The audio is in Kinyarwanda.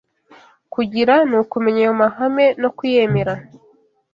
kugira ni ukumenya ayo mahame no kuyemera